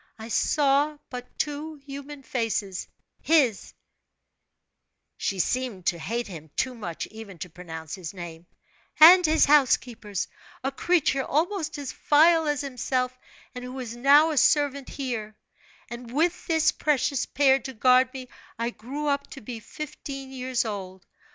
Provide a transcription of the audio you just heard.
I saw but two human faces, his" she seemed to hate him too much even to pronounce his name "and his housekeeper's, a creature almost as vile as himself, and who is now a servant here; and with this precious pair to guard me I grew up to be fifteen years old.